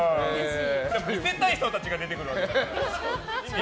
見せたい人たちが出てくるわけだから。